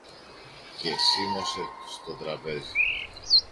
και σίμωσε στο τραπέζι.